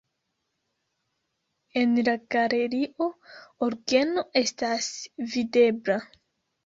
En la galerio orgeno estas videbla.